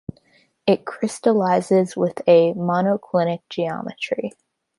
It crystallizes with a monoclinic geometry.